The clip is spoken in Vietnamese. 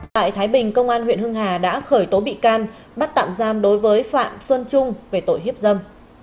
tại thái bình công an huyện hưng hà đã khởi tố bị can bắt tạm giam đối với phạm xuân trung về tội hiếp dâm